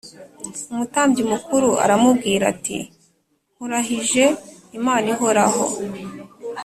Umutambyi mukuru aramubwira ati “Nkurahirije Imana ihoraho